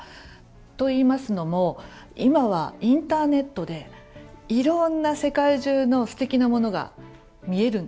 といいますのも今はインターネットでいろんな世界中のすてきなものが見えるんですね。